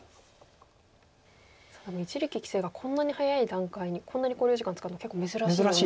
一力棋聖がこんなに早い段階にこんなに考慮時間使うの結構珍しいような。